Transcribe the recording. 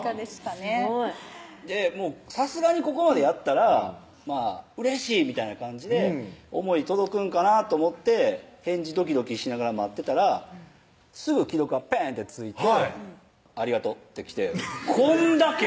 すごいさすがにここまでやったら「うれしい！」みたいな感じで思い届くんかなと思って返事ドキドキしながら待ってたらすぐ既読がペーンってついて「ありがと」って来てこんだけ？